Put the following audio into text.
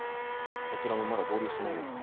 そちらもまだ合流してないですか？